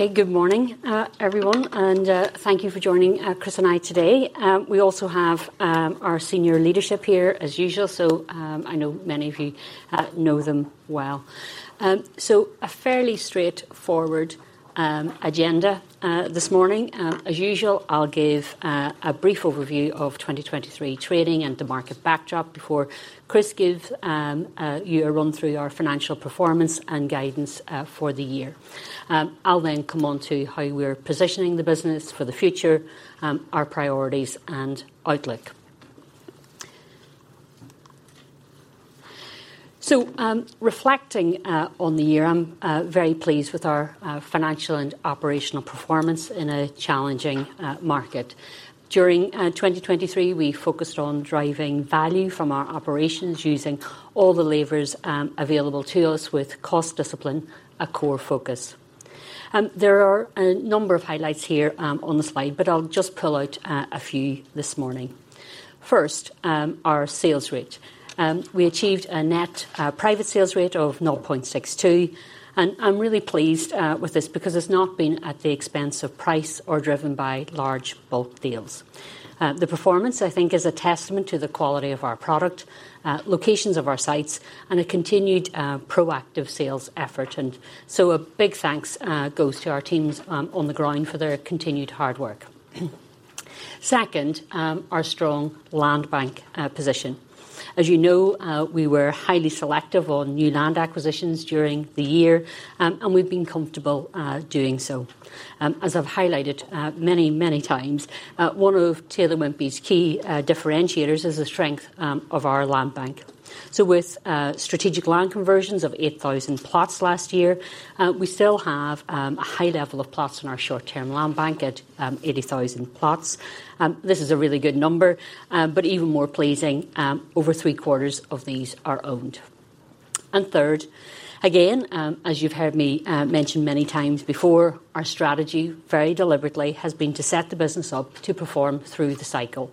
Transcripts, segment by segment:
Okay, good morning, everyone, and thank you for joining Chris and I today. We also have our senior leadership here as usual, so I know many of you know them well. So a fairly straightforward agenda this morning. As usual, I'll give a brief overview of 2023 trading and the market backdrop before Chris gives you a run through our financial performance and guidance for the year. I'll then come on to how we're positioning the business for the future, our priorities, and outlook. So, reflecting on the year, I'm very pleased with our financial and operational performance in a challenging market. During 2023, we focused on driving value from our operations, using all the levers available to us with cost discipline, a core focus. There are a number of highlights here on the slide, but I'll just pull out a few this morning. First, our sales rate. We achieved a net private sales rate of 0.62, and I'm really pleased with this because it's not been at the expense of price or driven by large bulk deals. The performance, I think, is a testament to the quality of our product, locations of our sites, and a continued proactive sales effort, and so a big thanks goes to our teams on the ground for their continued hard work. Second, our strong land bank position. As you know, we were highly selective on new land acquisitions during the year, and we've been comfortable doing so. As I've highlighted many, many times, one of Taylor Wimpey's key differentiators is the strength of our land bank. So with strategic land conversions of 8,000 plots last year, we still have a high level of plots in our short-term land bank at 80,000 plots. This is a really good number, but even more pleasing, over three-quarters of these are owned. And third, again, as you've heard me mention many times before, our strategy, very deliberately, has been to set the business up to perform through the cycle.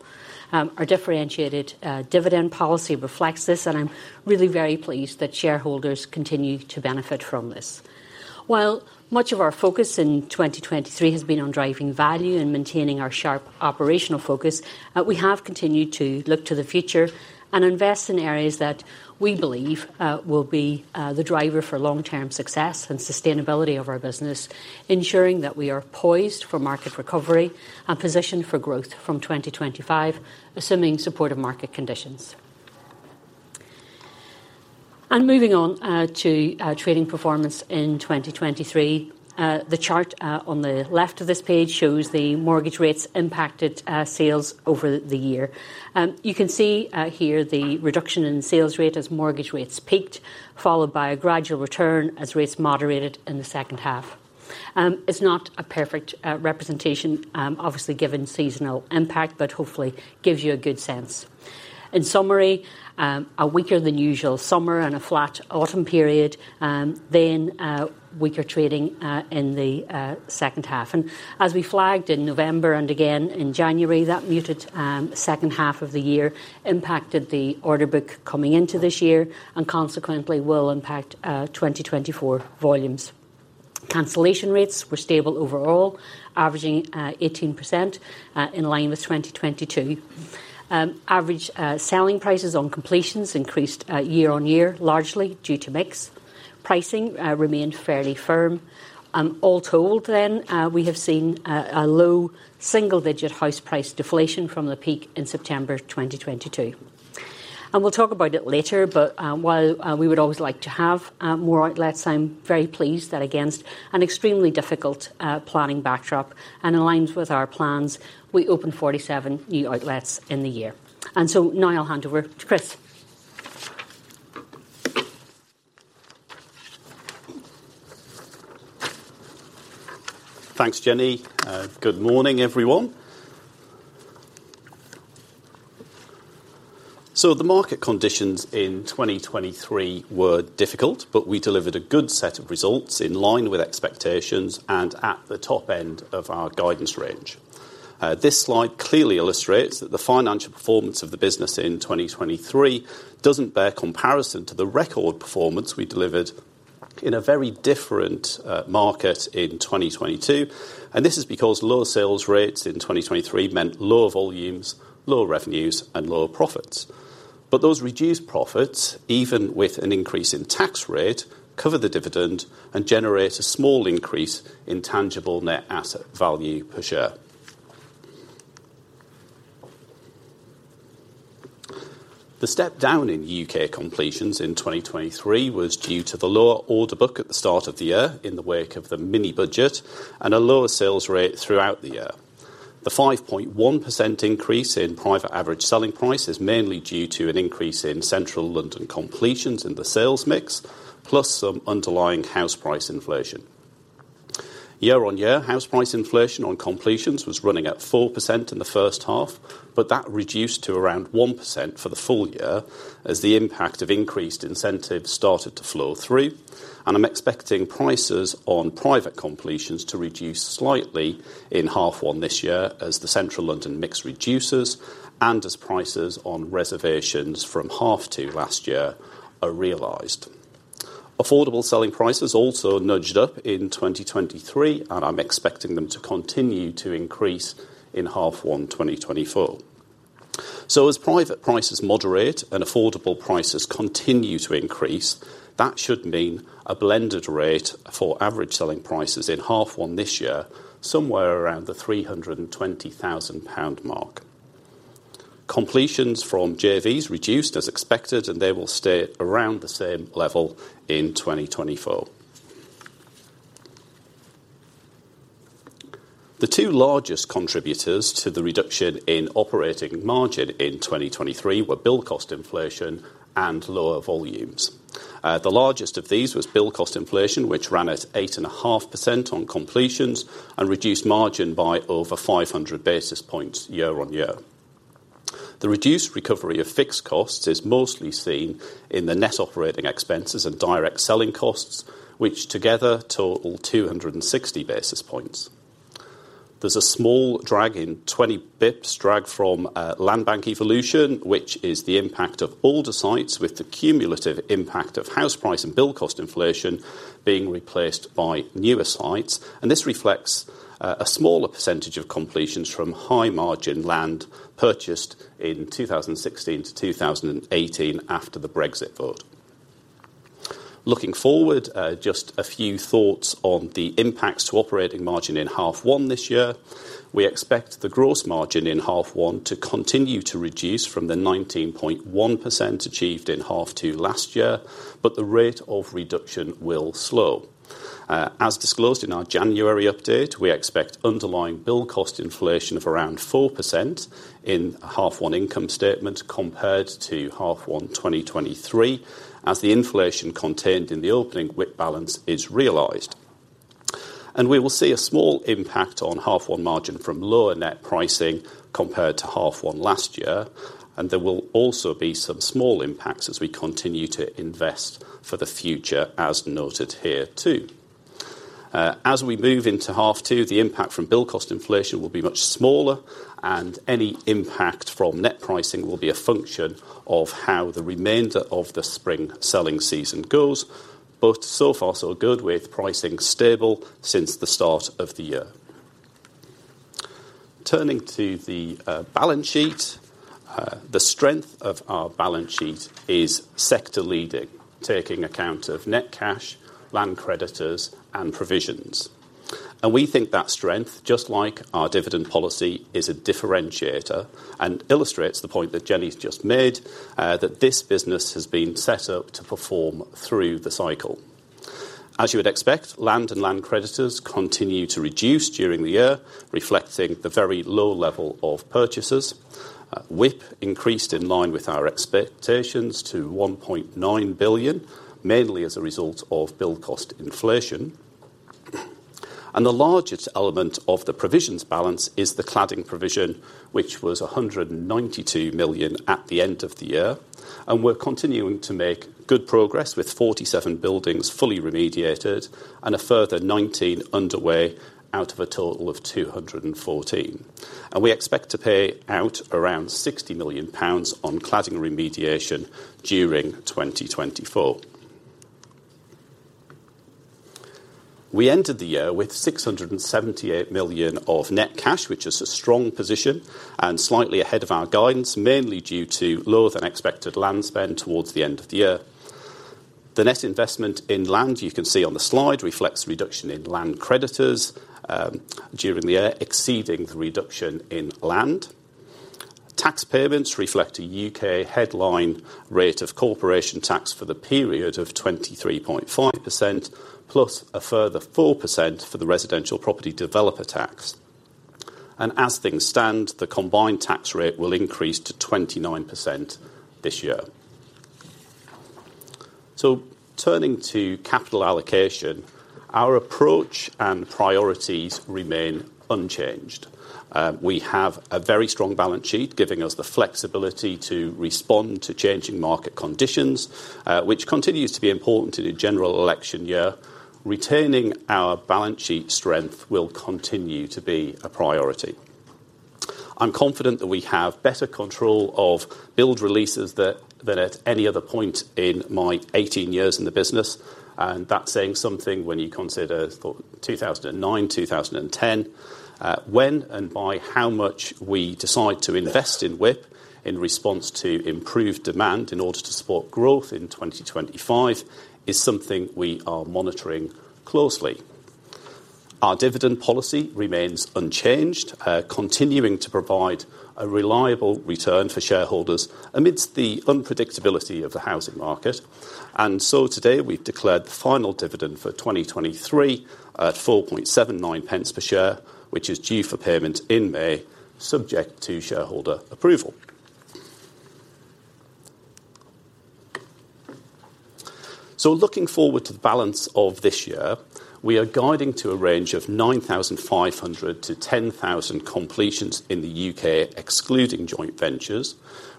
Our differentiated dividend policy reflects this, and I'm really very pleased that shareholders continue to benefit from this. While much of our focus in 2023 has been on driving value and maintaining our sharp operational focus, we have continued to look to the future and invest in areas that we believe will be the driver for long-term success and sustainability of our business, ensuring that we are poised for market recovery and positioned for growth from 2025, assuming supportive market conditions. And moving on to trading performance in 2023, the chart on the left of this page shows the mortgage rates impacted sales over the year. You can see here the reduction in sales rate as mortgage rates peaked, followed by a gradual return as rates moderated in the second half. It's not a perfect representation, obviously, given seasonal impact, but hopefully gives you a good sense. In summary, a weaker than usual summer and a flat autumn period, then weaker trading in the second half. As we flagged in November and again in January, that muted second half of the year impacted the order book coming into this year and consequently will impact 2024 volumes. Cancellation rates were stable overall, averaging 18%, in line with 2022. Average selling prices on completions increased year-on-year, largely due to mix. Pricing remained fairly firm. All told then, we have seen a low double-digit house price deflation from the peak in September 2022. And we'll talk about it later, but, while, we would always like to have, more outlets, I'm very pleased that against an extremely difficult, planning backdrop and aligns with our plans, we opened 47 new outlets in the year. And so now I'll hand over to Chris. Thanks, Jennie. Good morning, everyone. So the market conditions in 2023 were difficult, but we delivered a good set of results in line with expectations and at the top end of our guidance range. This slide clearly illustrates that the financial performance of the business in 2023 doesn't bear comparison to the record performance we delivered in a very different market in 2022, and this is because lower sales rates in 2023 meant lower volumes, lower revenues, and lower profits. But those reduced profits, even with an increase in tax rate, cover the dividend and generate a small increase in tangible net asset value per share. The step down in U.K. completions in 2023 was due to the lower order book at the start of the year in the wake of the mini budget and a lower sales rate throughout the year. The 5.1% increase in private average selling price is mainly due to an increase in Central London completions in the sales mix, plus some underlying house price inflation. Year-on-year, house price inflation on completions was running at 4% in the first half, but that reduced to around 1% for the full year as the impact of increased incentives started to flow through. And I'm expecting prices on private completions to reduce slightly in half one this year, as the Central London mix reduces and as prices on reservations from half two last year are realized. Affordable selling prices also nudged up in 2023, and I'm expecting them to continue to increase in half one, 2024. So as private prices moderate and affordable prices continue to increase, that should mean a blended rate for average selling prices in half one this year, somewhere around the 320,000 pound mark. Completions from JVs reduced as expected, and they will stay around the same level in 2024. The two largest contributors to the reduction in operating margin in 2023 were build cost inflation and lower volumes. The largest of these was build cost inflation, which ran at 8.5% on completions and reduced margin by over 500 basis points year-on-year. The reduced recovery of fixed costs is mostly seen in the net operating expenses and direct selling costs, which together total 260 basis points. There's a small drag in 20 basis points, drag from land bank evolution, which is the impact of older sites with the cumulative impact of house price and build cost inflation being replaced by newer sites. This reflects a smaller percentage of completions from high margin land purchased in 2016 to 2018 after the Brexit vote. Looking forward, just a few thoughts on the impacts to operating margin in half one this year. We expect the gross margin in half one to continue to reduce from the 19.1% achieved in half two last year, but the rate of reduction will slow. As disclosed in our January update, we expect underlying build cost inflation of around 4% in half one income statement, compared to half one, 2023, as the inflation contained in the opening WIP balance is realized. We will see a small impact on half one margin from lower net pricing compared to half one last year, and there will also be some small impacts as we continue to invest for the future, as noted here, too. As we move into half two, the impact from build cost inflation will be much smaller, and any impact from net pricing will be a function of how the remainder of the spring selling season goes. But so far, so good, with pricing stable since the start of the year. Turning to the balance sheet. The strength of our balance sheet is sector leading, taking account of net cash, land creditors, and provisions. We think that strength, just like our dividend policy, is a differentiator and illustrates the point that Jennie's just made, that this business has been set up to perform through the cycle. As you would expect, land and land creditors continued to reduce during the year, reflecting the very low level of purchases. WIP increased in line with our expectations to 1.9 billion, mainly as a result of build cost inflation. The largest element of the provisions balance is the cladding provision, which was 192 million at the end of the year, and we're continuing to make good progress, with 47 buildings fully remediated and a further 19 underway out of a total of 214. We expect to pay out around GBP 60 million on cladding remediation during 2024. We ended the year with 678 million of net cash, which is a strong position and slightly ahead of our guidance, mainly due to lower than expected land spend towards the end of the year. The net investment in land, you can see on the slide, reflects reduction in land creditors, during the year, exceeding the reduction in land. Tax payments reflect a UK headline rate of corporation tax for the period of 23.5%, plus a further 4% for the Residential Property Developer Tax. And as things stand, the combined tax rate will increase to 29% this year. Turning to capital allocation, our approach and priorities remain unchanged. We have a very strong balance sheet, giving us the flexibility to respond to changing market conditions, which continues to be important in a general election year. Retaining our balance sheet strength will continue to be a priority. I'm confident that we have better control of build releases that than at any other point in my 18 years in the business, and that's saying something when you consider 2009, 2010. When and by how much we decide to invest in WIP in response to improved demand in order to support growth in 2025, is something we are monitoring closely. Our dividend policy remains unchanged, continuing to provide a reliable return for shareholders amidst the unpredictability of the housing market. Today, we've declared the final dividend for 2023 at 4.79 pence per share, which is due for payment in May, subject to shareholder approval. Looking forward to the balance of this year, we are guiding to a range of 9,500-10,000 completions in the U.K., excluding joint ventures,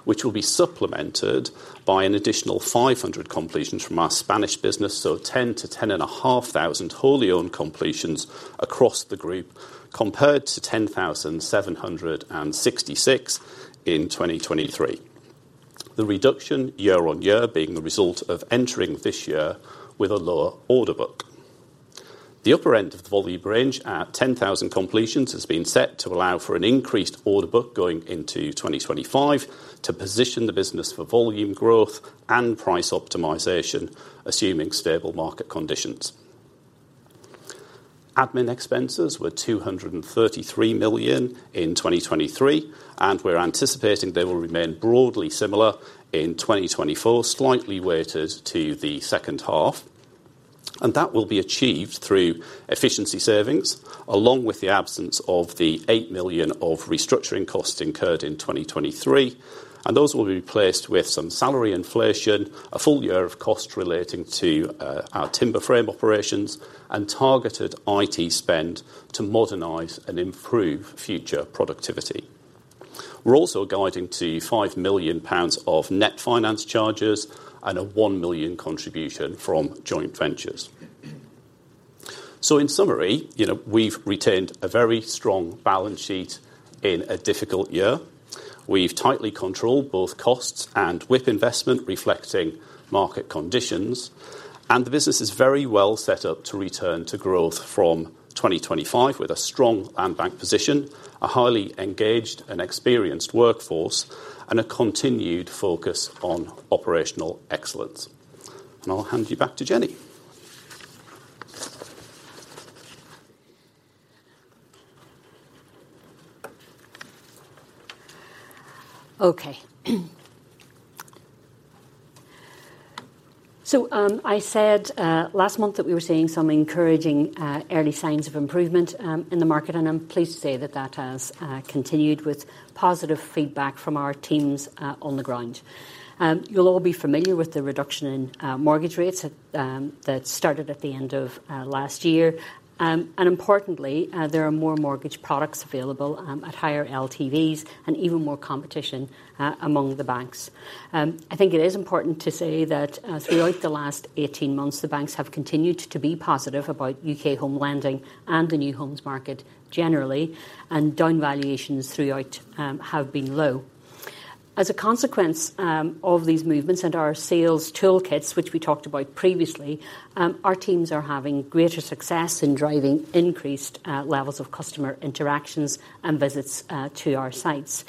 which will be supplemented by an additional 500 completions from our Spanish business. 10,000-10,500 wholly owned completions across the group, compared to 10,766 in 2023. The reduction year-on-year being the result of entering this year with a lower order book. The upper end of the volume range at 10,000 completions has been set to allow for an increased order book going into 2025, to position the business for volume growth and price optimization, assuming stable market conditions. Admin expenses were 233 million in 2023, and we're anticipating they will remain broadly similar in 2024, slightly weighted to the second half. That will be achieved through efficiency savings, along with the absence of the 8 million of restructuring costs incurred in 2023. Those will be replaced with some salary inflation, a full year of costs relating to our timber frame operations, and targeted IT spend to modernize and improve future productivity. We're also guiding to 5 million pounds of net finance charges and a 1 million contribution from joint ventures. So in summary, you know, we've retained a very strong balance sheet in a difficult year. We've tightly controlled both costs and WIP investment, reflecting market conditions, and the business is very well set up to return to growth from 2025, with a strong land bank position, a highly engaged and experienced workforce, and a continued focus on operational excellence. And I'll hand you back to Jennie. Okay. I said last month that we were seeing some encouraging early signs of improvement in the market, and I'm pleased to say that that has continued with positive feedback from our teams on the ground. You'll all be familiar with the reduction in mortgage rates that started at the end of last year. Importantly, there are more mortgage products available at higher LTVs and even more competition among the banks. I think it is important to say that throughout the last 18 months, the banks have continued to be positive about U.K. home lending and the new homes market generally, and down valuations throughout have been low. As a consequence of these movements and our sales toolkits, which we talked about previously, our teams are having greater success in driving increased levels of customer interactions and visits to our sites.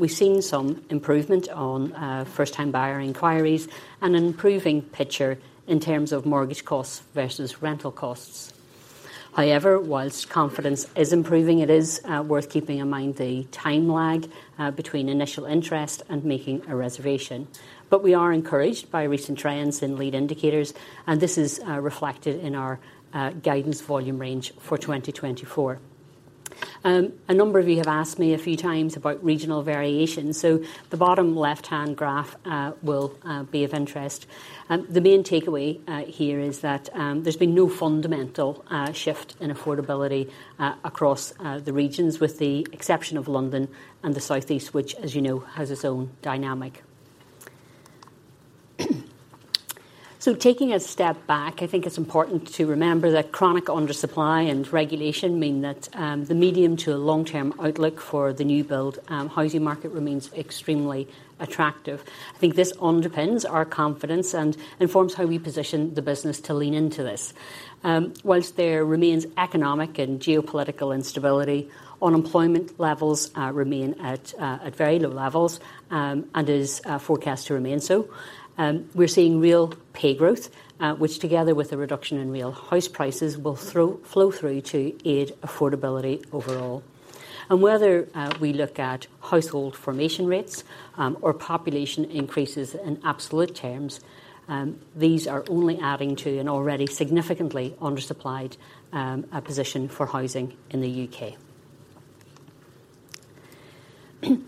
We've seen some improvement on first-time buyer inquiries and an improving picture in terms of mortgage costs versus rental costs. However, while confidence is improving, it is worth keeping in mind the time lag between initial interest and making a reservation. But we are encouraged by recent trends in lead indicators, and this is reflected in our guidance volume range for 2024. A number of you have asked me a few times about regional variation, so the bottom left-hand graph will be of interest. The main takeaway here is that there's been no fundamental shift in affordability across the regions, with the exception of London and the South East, which, as you know, has its own dynamic. So taking a step back, I think it's important to remember that chronic undersupply and regulation mean that the medium- to long-term outlook for the new build housing market remains extremely attractive. I think this underpins our confidence and informs how we position the business to lean into this. While there remains economic and geopolitical instability, unemployment levels remain at very low levels and is forecast to remain so. We're seeing real pay growth, which, together with a reduction in real house prices, will flow through to aid affordability overall. Whether we look at household formation rates, or population increases in absolute terms, these are only adding to an already significantly undersupplied position for housing in the U.K..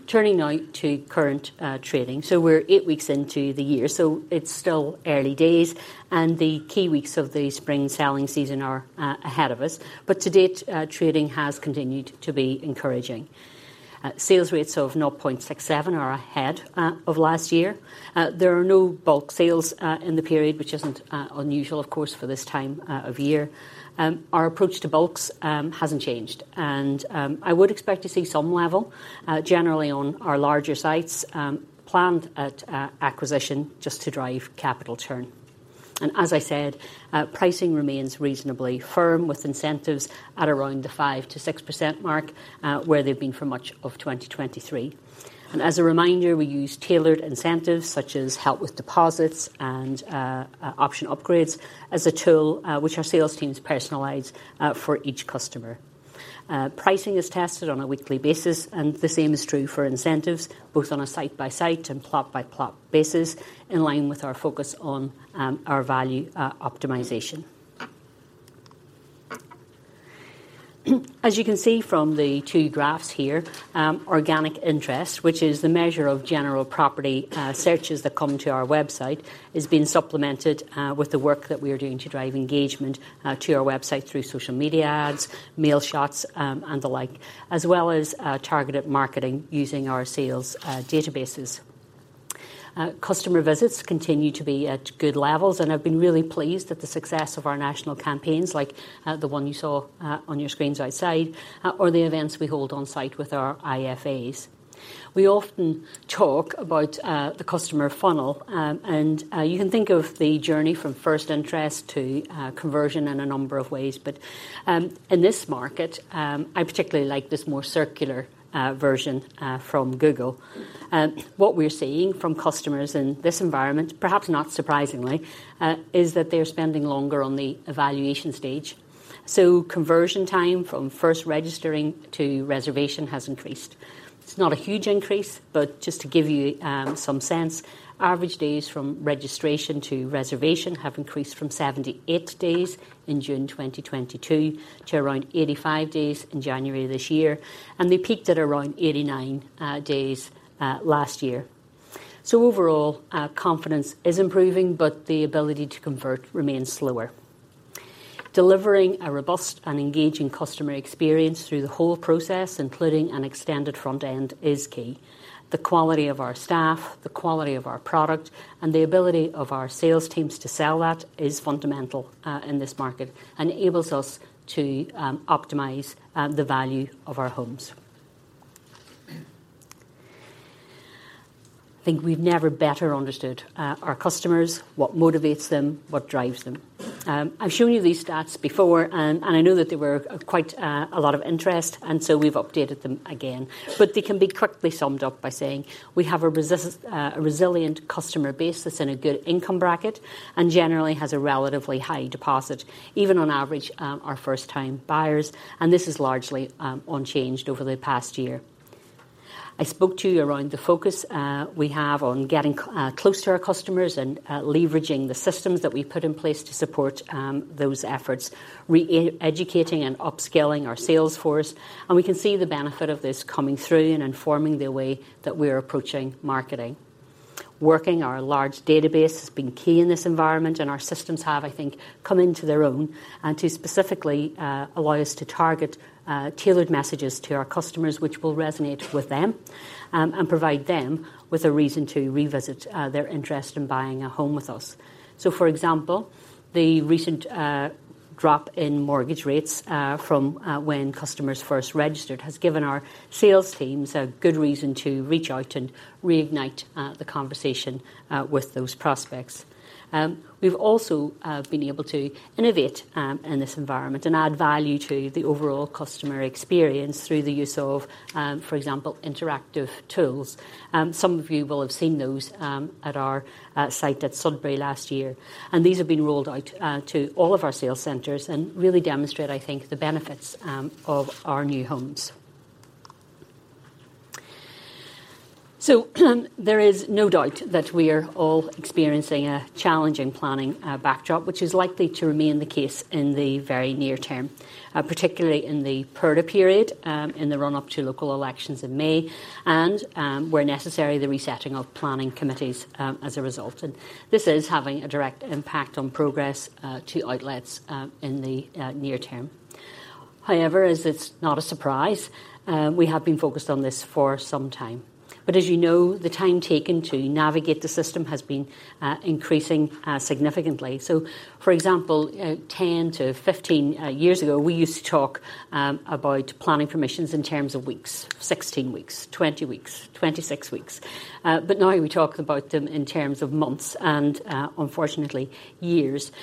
Turning now to current trading. So we're eight weeks into the year, so it's still early days, and the key weeks of the spring selling season are ahead of us. But to date, trading has continued to be encouraging. Sales rates of 0.67 are ahead of last year. There are no bulk sales in the period, which isn't unusual, of course, for this time of year. Our approach to bulks hasn't changed, and I would expect to see some level generally on our larger sites planned at acquisition, just to drive capital turn. As I said, pricing remains reasonably firm, with incentives at around the 5%-6% mark, where they've been for much of 2023. As a reminder, we use tailored incentives, such as help with deposits and option upgrades, as a tool which our sales teams personalize for each customer. Pricing is tested on a weekly basis, and the same is true for incentives, both on a site-by-site and plot-by-plot basis, in line with our focus on our value optimization. As you can see from the two graphs here, organic interest, which is the measure of general property searches that come to our website, is being supplemented with the work that we are doing to drive engagement to our website through social media ads, mail shots, and the like, as well as targeted marketing using our sales databases. Customer visits continue to be at good levels, and I've been really pleased at the success of our national campaigns, like the one you saw on your screens outside, or the events we hold on-site with our IFAs. We often talk about the customer funnel, and you can think of the journey from first interest to conversion in a number of ways. But, in this market, I particularly like this more circular version from Google. What we're seeing from customers in this environment, perhaps not surprisingly, is that they're spending longer on the evaluation stage. So conversion time from first registering to reservation has increased. It's not a huge increase, but just to give you some sense, average days from registration to reservation have increased from 78 days in June 2022 to around 85 days in January of this year, and they peaked at around 89 days last year. So overall, confidence is improving, but the ability to convert remains slower. Delivering a robust and engaging customer experience through the whole process, including an extended front end, is key. The quality of our staff, the quality of our product, and the ability of our sales teams to sell that is fundamental in this market, and enables us to optimize the value of our homes. I think we've never better understood our customers, what motivates them, what drives them. I've shown you these stats before, and I know that there were quite a lot of interest, and so we've updated them again. But they can be quickly summed up by saying we have a resilient customer base that's in a good income bracket, and generally has a relatively high deposit, even on average, are first-time buyers, and this is largely unchanged over the past year. I spoke to you around the focus we have on getting close to our customers and leveraging the systems that we've put in place to support those efforts, re-educating and upskilling our sales force, and we can see the benefit of this coming through and informing the way that we're approaching marketing. Working our large database has been key in this environment, and our systems have, I think, come into their own and to specifically allow us to target tailored messages to our customers, which will resonate with them and provide them with a reason to revisit their interest in buying a home with us. So, for example, the recent drop in mortgage rates from when customers first registered has given our sales teams a good reason to reach out and reignite the conversation with those prospects. We've also been able to innovate in this environment and add value to the overall customer experience through the use of, for example, interactive tools. Some of you will have seen those at our site at Sudbury last year, and these have been rolled out to all of our sales centers and really demonstrate, I think, the benefits of our new homes. So, there is no doubt that we are all experiencing a challenging planning backdrop, which is likely to remain the case in the very near term. Particularly in the Purdah period, in the run-up to local elections in May, and, where necessary, the resetting of planning committees, as a result, and this is having a direct impact on progress to outlets, in the near term. However, as it's not a surprise, we have been focused on this for some time. But as you know, the time taken to navigate the system has been increasing significantly. So, for example, 10-15 years ago, we used to talk about planning permissions in terms of weeks, 16 weeks, 20 weeks, 26 weeks. But now we talk about them in terms of months and, unfortunately, years,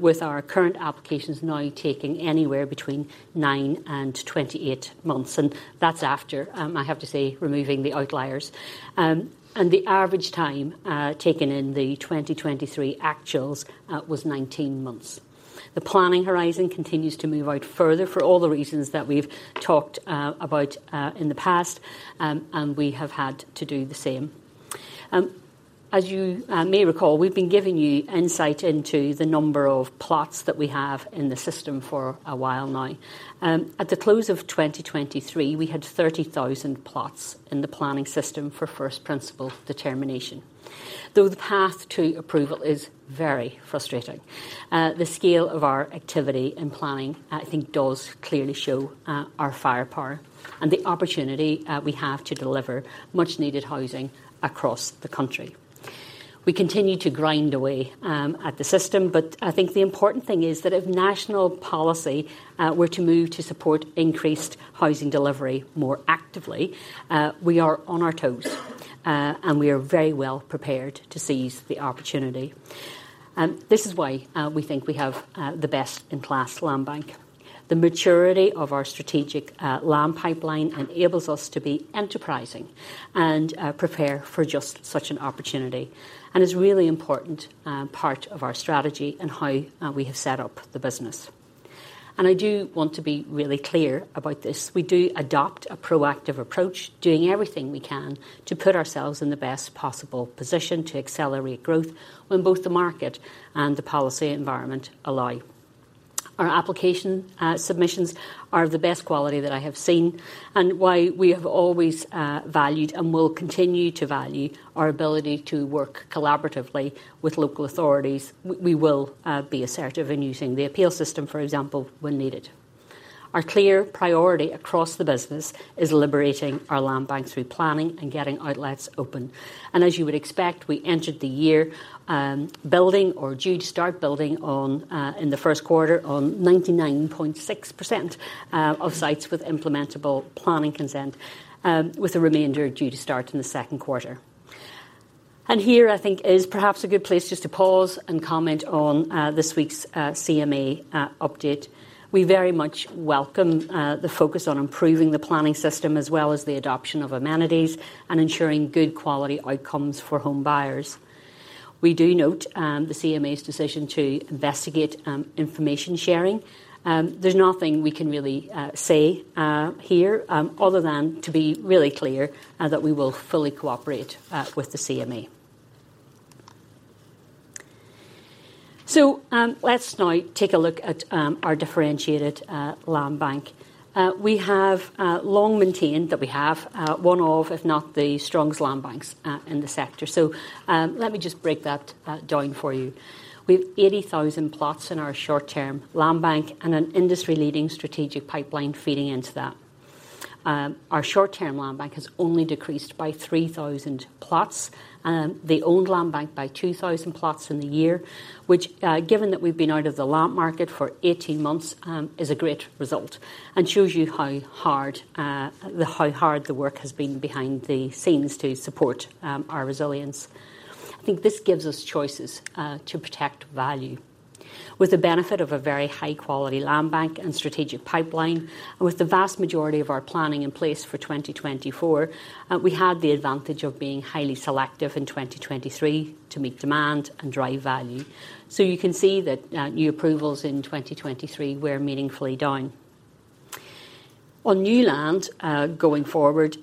with our current applications now taking anywhere between 9-28 months, and that's after, I have to say, removing the outliers. The average time taken in the 2023 actuals was 19 months. The planning horizon continues to move out further for all the reasons that we've talked about in the past, and we have had to do the same. As you may recall, we've been giving you insight into the number of plots that we have in the system for a while now. At the close of 2023, we had 30,000 plots in the planning system for first principle determination. Though the path to approval is very frustrating, the scale of our activity and planning, I think, does clearly show our firepower and the opportunity we have to deliver much needed housing across the country. We continue to grind away, at the system, but I think the important thing is that if national policy, were to move to support increased housing delivery more actively, we are on our toes, and we are very well prepared to seize the opportunity. This is why, we think we have, the best-in-class land bank. The maturity of our strategic, land pipeline enables us to be enterprising and, prepare for just such an opportunity and is a really important, part of our strategy and how, we have set up the business. And I do want to be really clear about this. We do adopt a proactive approach, doing everything we can to put ourselves in the best possible position to accelerate growth when both the market and the policy environment allow. Our application submissions are the best quality that I have seen, and while we have always valued and will continue to value our ability to work collaboratively with local authorities, we will be assertive in using the appeal system, for example, when needed. Our clear priority across the business is liberating our land banks through planning and getting outlets open. As you would expect, we entered the year building or due to start building on in the first quarter on 99.6% of sites with implementable planning consent, with the remainder due to start in the second quarter. And here, I think, is perhaps a good place just to pause and comment on this week's CMA update. We very much welcome the focus on improving the planning system, as well as the adoption of amenities and ensuring good quality outcomes for home buyers. We do note the CMA's decision to investigate information sharing. There's nothing we can really say here other than to be really clear that we will fully cooperate with the CMA. So, let's now take a look at our differentiated land bank. We have long maintained that we have one of, if not the strongest land banks in the sector. So, let me just break that down for you. We've 80,000 plots in our short-term land bank and an industry-leading strategic pipeline feeding into that. Our short-term land bank has only decreased by 3,000 plots, the owned land bank by 2,000 plots in the year, which, given that we've been out of the land market for 18 months, is a great result, and shows you how hard, how hard the work has been behind the scenes to support our resilience. I think this gives us choices to protect value. With the benefit of a very high-quality land bank and strategic pipeline, and with the vast majority of our planning in place for 2024, we had the advantage of being highly selective in 2023 to meet demand and drive value. So you can see that new approvals in 2023 were meaningfully down. On new land, going forward,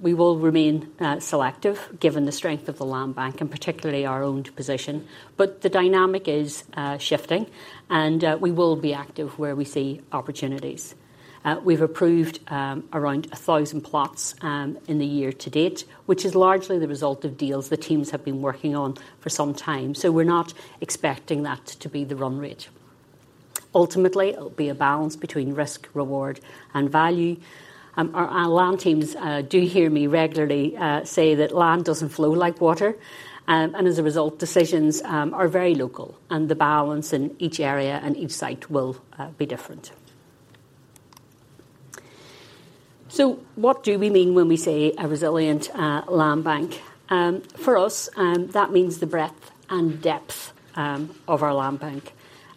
we will remain selective, given the strength of the land bank, and particularly our owned position, but the dynamic is shifting, and we will be active where we see opportunities. We've approved around 1,000 plots in the year to date, which is largely the result of deals the teams have been working on for some time, so we're not expecting that to be the run rate. Ultimately, it'll be a balance between risk, reward, and value. Our land teams do hear me regularly say that land doesn't flow like water, and as a result, decisions are very local, and the balance in each area and each site will be different. So what do we mean when we say a resilient land bank? For us, that means the breadth and depth of our land bank.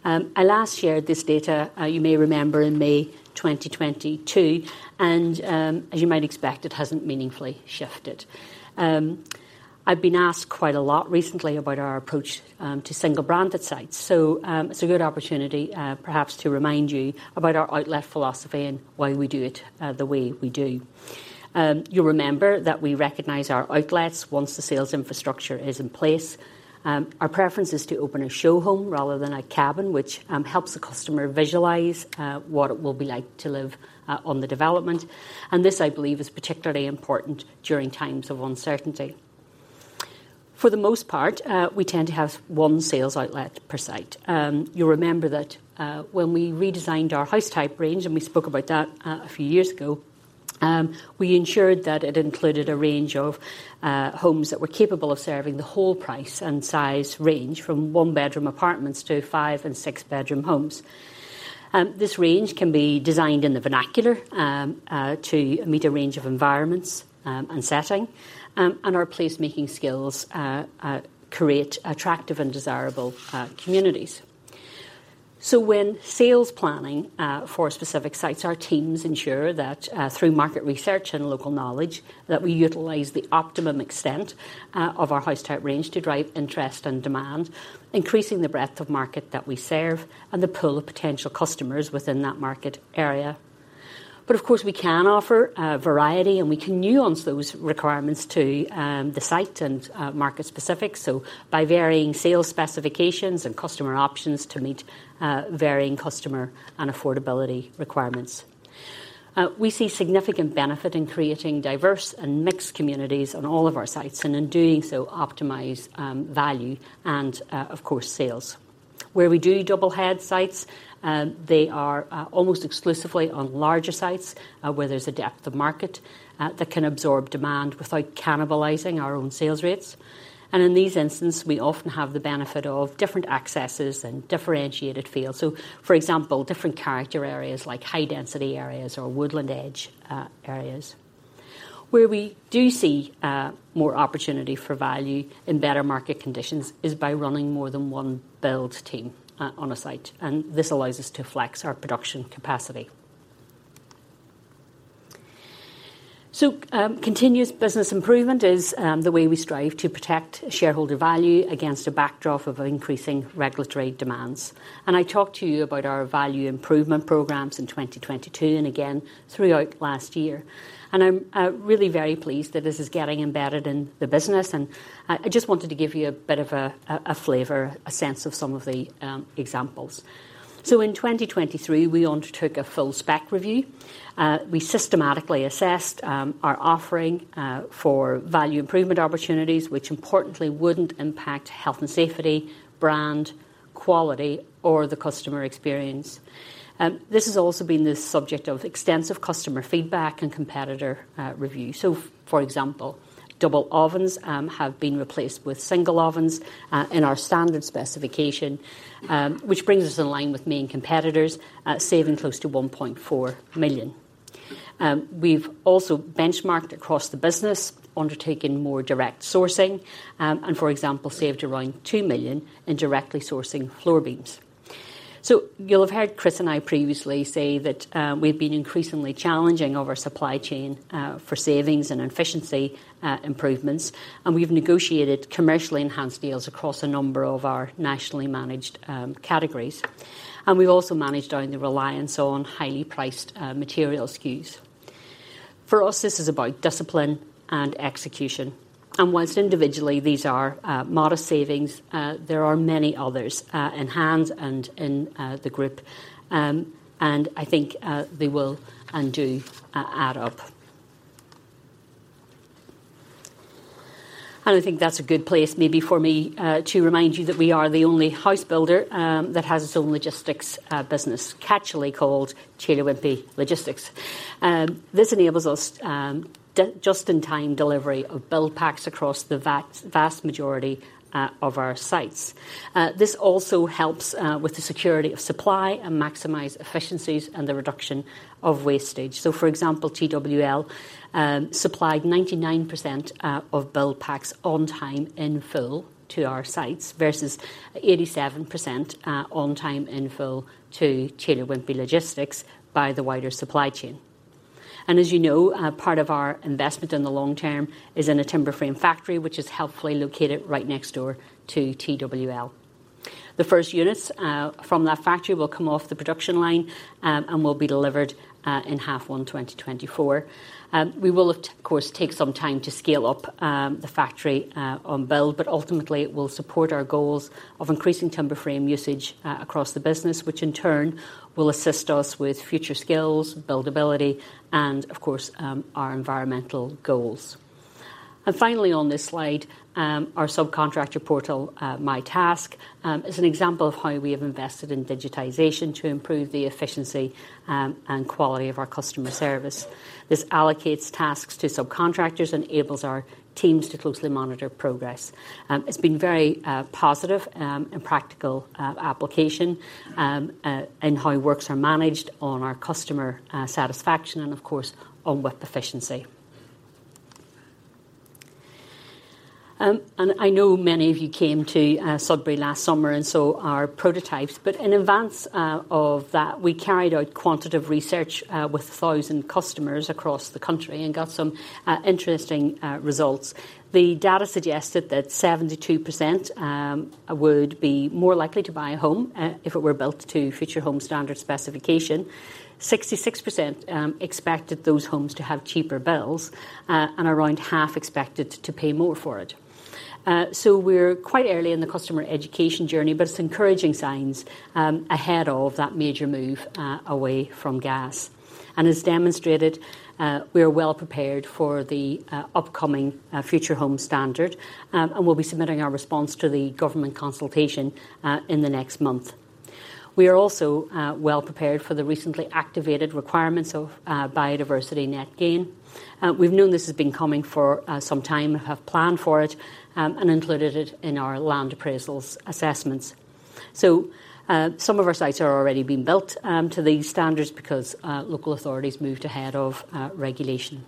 I last shared this data, you may remember, in May 2022, and, as you might expect, it hasn't meaningfully shifted. I've been asked quite a lot recently about our approach to single-branded sites, so, it's a good opportunity, perhaps to remind you about our outlet philosophy and why we do it, the way we do. You'll remember that we recognize our outlets once the sales infrastructure is in place. Our preference is to open a show home rather than a cabin, which helps the customer visualize what it will be like to live on the development, and this, I believe, is particularly important during times of uncertainty. For the most part, we tend to have one sales outlet per site. You'll remember that, when we redesigned our house type range, and we spoke about that a few years ago, we ensured that it included a range of homes that were capable of serving the whole price and size range, from one-bedroom apartments to five- and six-bedroom homes. This range can be designed in the vernacular, to meet a range of environments and setting, and our placemaking skills create attractive and desirable communities. So when sales planning for specific sites, our teams ensure that, through market research and local knowledge, that we utilize the optimum extent of our house type range to drive interest and demand, increasing the breadth of market that we serve and the pool of potential customers within that market area. But of course, we can offer a variety, and we can nuance those requirements to the site and market specifics, so by varying sales specifications and customer options to meet varying customer and affordability requirements. We see significant benefit in creating diverse and mixed communities on all of our sites, and in doing so, optimize value and of course, sales. Where we do double-headed sites, they are almost exclusively on larger sites, where there's a depth of market that can absorb demand without cannibalizing our own sales rates. And in these instances, we often have the benefit of different accesses and differentiated feel. So, for example, different character areas like high-density areas or woodland edge areas. Where we do see more opportunity for value in better market conditions is by running more than one build team on a site, and this allows us to flex our production capacity. So, continuous business improvement is the way we strive to protect shareholder value against a backdrop of increasing regulatory demands. And I talked to you about our value improvement programs in 2022 and again throughout last year, and I'm really very pleased that this is getting embedded in the business, and I just wanted to give you a bit of a flavor, a sense of some of the examples. So in 2023, we undertook a full spec review. We systematically assessed our offering for value improvement opportunities, which importantly, wouldn't impact health and safety, brand, quality, or the customer experience. This has also been the subject of extensive customer feedback and competitor review. So, for example, double ovens have been replaced with single ovens in our standard specification, which brings us in line with main competitors, saving close to 1.4 million. We've also benchmarked across the business, undertaken more direct sourcing, and, for example, saved around 2 million in directly sourcing floor beams. So you'll have heard Chris and I previously say that we've been increasingly challenging our supply chain for savings and efficiency improvements, and we've negotiated commercially enhanced deals across a number of our nationally managed categories. And we've also managed down the reliance on highly priced material SKUs. For us, this is about discipline and execution, and while individually these are modest savings, there are many others in homes and in the group. And I think they will and do add up. And I think that's a good place maybe for me to remind you that we are the only house builder that has its own logistics business, catchily called Taylor Wimpey Logistics. This enables us just-in-time delivery of build packs across the vast, vast majority of our sites. This also helps with the security of supply and maximize efficiencies and the reduction of wastage. So, for example, TWL supplied 99% of build packs on time, in full, to our sites, versus 87% on time, in full, to Taylor Wimpey Logistics by the wider supply chain. And as you know, part of our investment in the long term is in a timber frame factory, which is helpfully located right next door to TWL. The first units from that factory will come off the production line and will be delivered in H1 2024. We will, of course, take some time to scale up the factory on build, but ultimately it will support our goals of increasing timber frame usage across the business, which in turn will assist us with future skills, buildability, and of course, our environmental goals. And finally, on this slide, our subcontractor portal, MyTask, is an example of how we have invested in digitization to improve the efficiency and quality of our customer service. This allocates tasks to subcontractors and enables our teams to closely monitor progress. It's been very positive and practical application in how works are managed on our customer satisfaction, and of course, on web efficiency. And I know many of you came to Sudbury last summer and saw our prototypes, but in advance of that, we carried out quantitative research with 1,000 customers across the country and got some interesting results. The data suggested that 72% would be more likely to buy a home if it were built to Future Homes Standard specification. 66% expected those homes to have cheaper bills, and around half expected to pay more for it. So we're quite early in the customer education journey, but it's encouraging signs ahead of that major move away from gas. As demonstrated, we are well prepared for the upcoming Future Homes Standard, and we'll be submitting our response to the government consultation in the next month. We are also well prepared for the recently activated requirements of Biodiversity Net Gain. We've known this has been coming for some time, have planned for it, and included it in our land appraisals assessments. Some of our sites are already being built to these standards because local authorities moved ahead of regulation.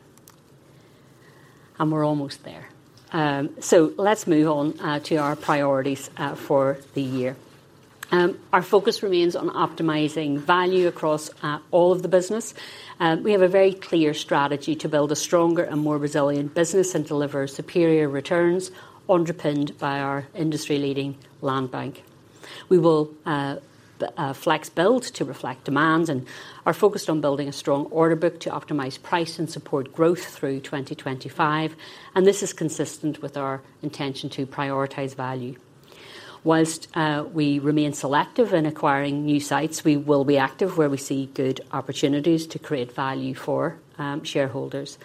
We're almost there. Let's move on to our priorities for the year. Our focus remains on optimizing value across all of the business. We have a very clear strategy to build a stronger and more resilient business and deliver superior returns, underpinned by our industry-leading land bank. We will flex build to reflect demands and are focused on building a strong order book to optimize price and support growth through 2025, and this is consistent with our intention to prioritize value. While we remain selective in acquiring new sites, we will be active where we see good opportunities to create value for shareholders.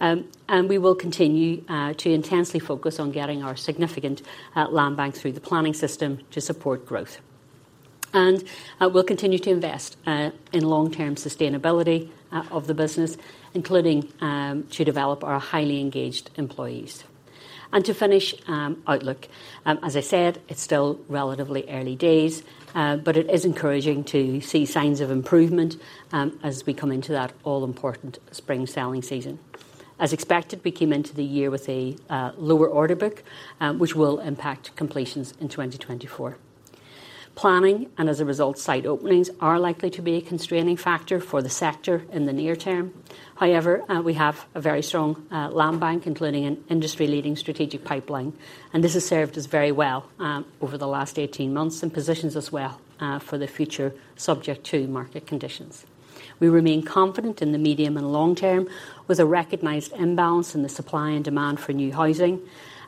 And we will continue to intensely focus on getting our significant land bank through the planning system to support growth. And we'll continue to invest in long-term sustainability of the business, including to develop our highly engaged employees. And to finish outlook. As I said, it's still relatively early days, but it is encouraging to see signs of improvement as we come into that all-important spring selling season. As expected, we came into the year with a lower order book, which will impact completions in 2024. Planning, and as a result, site openings are likely to be a constraining factor for the sector in the near term. However, we have a very strong land bank, including an industry-leading strategic pipeline, and this has served us very well over the last 18 months and positions us well for the future, subject to market conditions. We remain confident in the medium and long term, with a recognized imbalance in the supply and demand for new housing,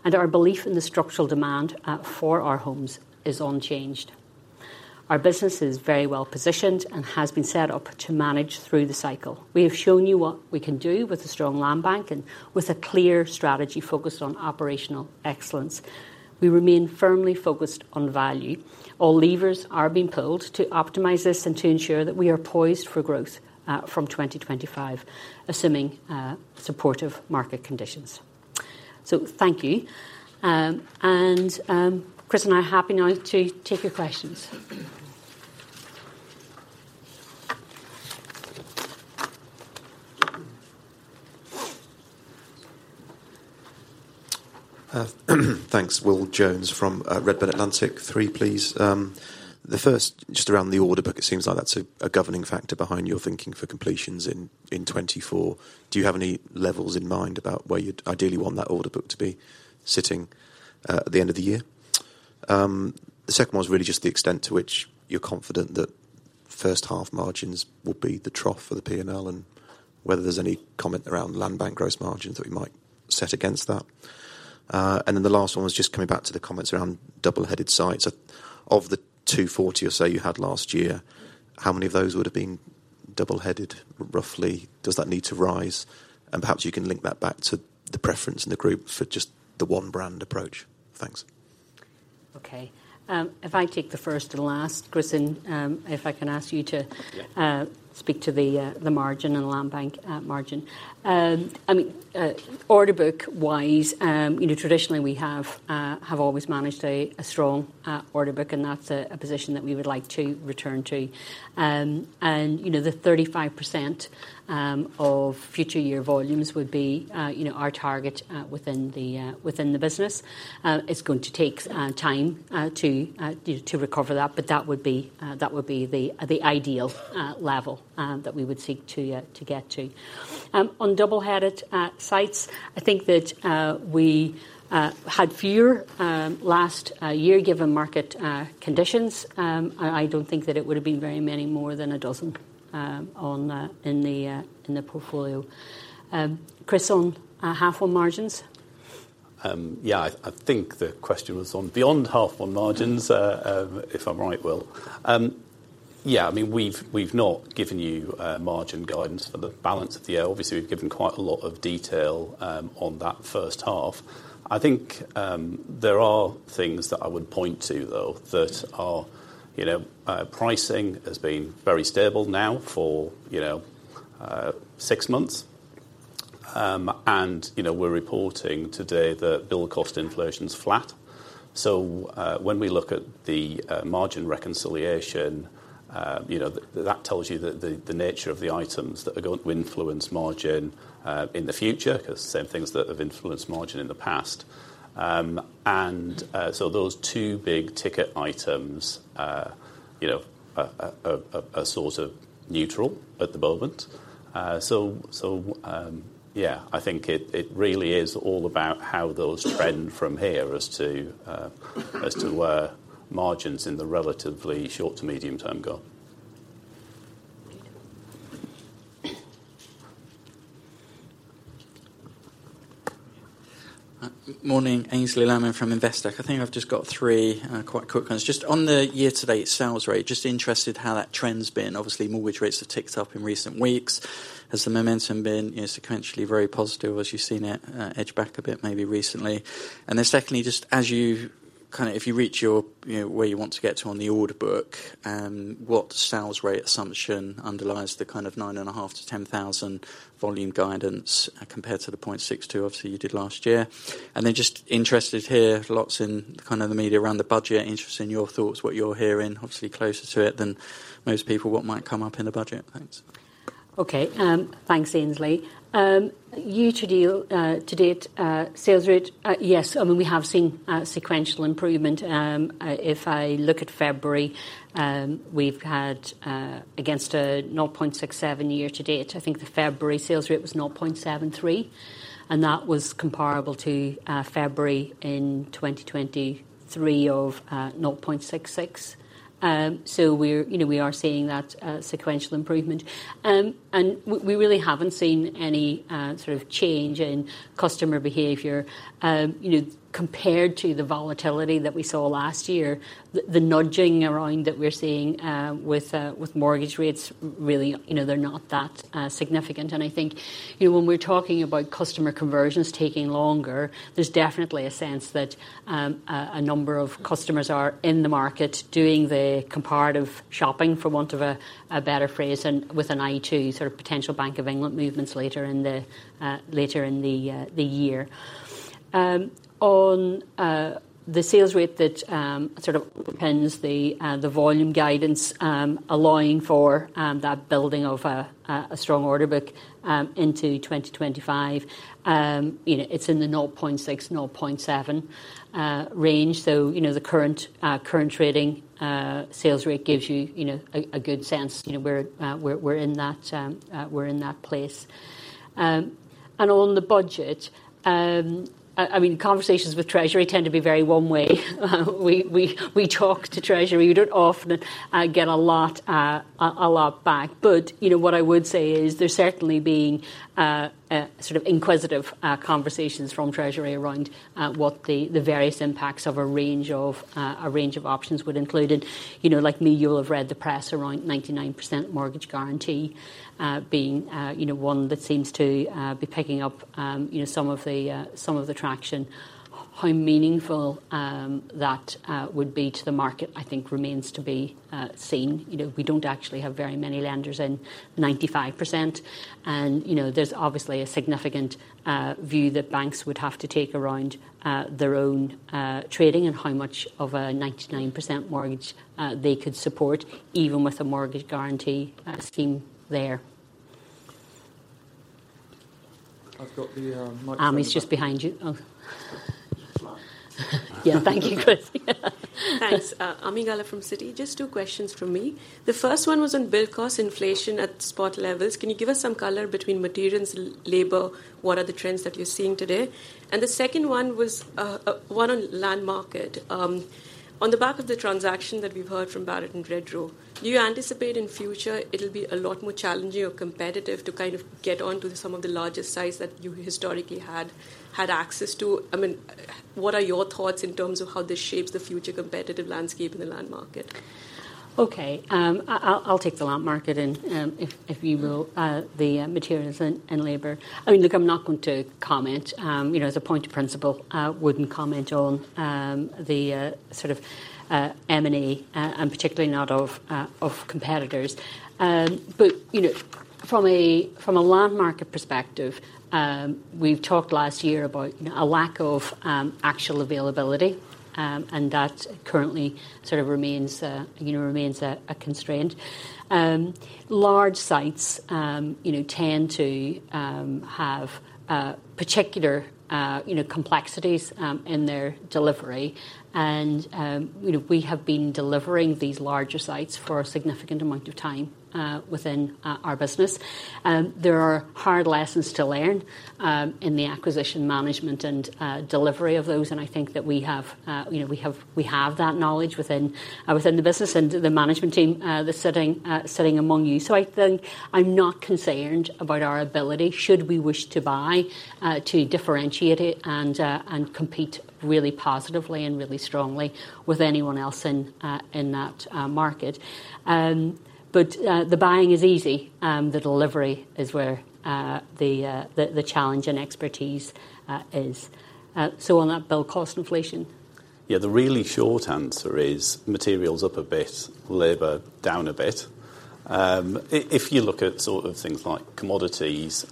and our belief in the structural demand for our homes is unchanged.... Our business is very well positioned and has been set up to manage through the cycle. We have shown you what we can do with a strong land bank and with a clear strategy focused on operational excellence. We remain firmly focused on value. All levers are being pulled to optimize this and to ensure that we are poised for growth from 2025, assuming supportive market conditions. So thank you. And Chris and I are happy now to take your questions. Thanks. Will Jones from Redburn Atlantic. three, please. The first, just around the order book, it seems like that's a governing factor behind your thinking for completions in 2024. Do you have any levels in mind about where you'd ideally want that order book to be sitting at the end of the year? The second one is really just the extent to which you're confident that first half margins will be the trough for the PNL, and whether there's any comment around land bank gross margins that we might set against that. And then the last one was just coming back to the comments around double-headed sites. Of the 240 or so you had last year, how many of those would have been double-headed, roughly? Does that need to rise? Perhaps you can link that back to the preference in the group for just the one-brand approach. Thanks. Okay, if I take the first and last, Chris, if I can ask you to- Yeah ... speak to the, the margin and the land bank, margin. I mean, order book-wise, you know, traditionally, we have always managed a strong order book, and that's a position that we would like to return to. And, you know, the 35% of future year volumes would be, you know, our target within the business. It's going to take time to recover that, but that would be the ideal level that we would seek to get to. On double-headed sites, I think that we had fewer last year, given market conditions. I don't think that it would have been very many more than a dozen in the portfolio. Chris, help on margins? Yeah, I think the question was on beyond half on margins, if I'm right, Will. Yeah, I mean, we've not given you margin guidance for the balance of the year. Obviously, we've given quite a lot of detail on that first half. I think there are things that I would point to, though, that are, you know, pricing has been very stable now for, you know, six months. And, you know, we're reporting today that build cost inflation is flat. So, when we look at the margin reconciliation, you know, that tells you that the nature of the items that are going to influence margin in the future, 'cause same things that have influenced margin in the past. So those two big ticket items, you know, are sort of neutral at the moment. So, yeah, I think it really is all about how those trend from here as to where margins in the relatively short to medium term go. Morning. Aynsley Lammin from Investec. I think I've just got three, quite quick ones. Just on the year-to-date sales rate, just interested how that trend's been. Obviously, mortgage rates have ticked up in recent weeks. Has the momentum been, you know, sequentially very positive as you've seen it, edge back a bit, maybe recently? And then secondly, just as you, kinda, if you reach your, you know, where you want to get to on the order book, what sales rate assumption underlies the kind of 9.5-10,000 volume guidance compared to the 0.62, obviously, you did last year? And then just interested here, lots in kind of the media around the budget, interested in your thoughts, what you're hearing. Obviously, closer to it than most people, what might come up in the budget? Thanks. Okay, thanks, Aynsley. Year to date sales rate, yes, I mean, we have seen sequential improvement. If I look at February, we've had against a 0.67 year to date, I think the February sales rate was 0.73, and that was comparable to February in 2023 of 0.66. So we're, you know, we are seeing that sequential improvement. And we really haven't seen any sort of change in customer behavior. You know, compared to the volatility that we saw last year, the nudging around that we're seeing with mortgage rates, really, you know, they're not that significant. And I think, you know, when we're talking about customer conversions taking longer, there's definitely a sense that a number of customers are in the market doing the comparative shopping, for want of a better phrase, and with an eye to sort of potential Bank of England movements later in the year. On the sales rate, that sort of underpins the volume guidance, allowing for that building of a strong order book into 2025, you know, it's in the 0.6-0.7 range. So, you know, the current trading sales rate gives you, you know, a good sense, you know, we're in that place.... And on the budget, I mean, conversations with Treasury tend to be very one-way. We talk to Treasury. We don't often get a lot back. But, you know, what I would say is there's certainly been sort of inquisitive conversations from Treasury around what the various impacts of a range of options would include. And, you know, like me, you'll have read the press around 99% mortgage guarantee being, you know, one that seems to be picking up, you know, some of the traction. How meaningful that would be to the market, I think remains to be seen. You know, we don't actually have very many lenders in 95%, and, you know, there's obviously a significant view that banks would have to take around their own trading and how much of a 99% mortgage they could support, even with a mortgage guarantee scheme there. I've got the microphone- Ami's just behind you. Oh. Yeah. Thank you, Chris. Thanks. Ami Galla from Citi. Just two questions from me. The first one was on build cost inflation at spot levels. Can you give us some color between materials and labor? What are the trends that you're seeing today? And the second one was, one on land market. On the back of the transaction that we've heard from Barratt and Redrow, do you anticipate in future it'll be a lot more challenging or competitive to kind of get onto some of the larger sites that you historically had access to? I mean, what are your thoughts in terms of how this shapes the future competitive landscape in the land market? Okay. I'll take the land market, and if you will, the materials and labor. I mean, look, I'm not going to comment. You know, as a point of principle, I wouldn't comment on the sort of M&A and particularly not of competitors. But you know, from a land market perspective, we've talked last year about you know, a lack of actual availability and that currently sort of remains you know, remains a constraint. Large sites you know, tend to have particular you know, complexities in their delivery, and you know, we have been delivering these larger sites for a significant amount of time within our business. There are hard lessons to learn in the acquisition, management, and delivery of those, and I think that we have, you know, we have that knowledge within the business and the management team that's sitting among you. So I think I'm not concerned about our ability, should we wish to buy, to differentiate it and compete really positively and really strongly with anyone else in that market. But the buying is easy. The delivery is where the challenge and expertise is. So on that build cost inflation? Yeah, the really short answer is materials up a bit, labor down a bit. If you look at sort of things like commodities,